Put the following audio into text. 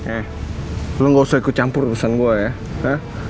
eh lu nggak usah ikut campur urusan gue ya